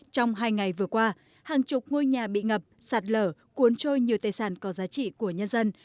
trong hai ngày vừa qua hàng chục ngôi nhà bị ngập sạt lở cuốn trôi nhiều tài sản có giá trị của nhân dân